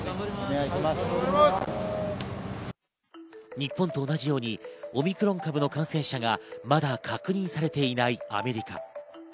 日本と同じようにオミクロン株の感染者がまだ確認されていないアメリカ。